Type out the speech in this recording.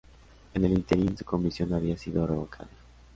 En el ínterin, su comisión había sido revocada.